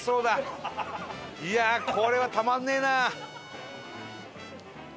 いやあこれはたまんねえな！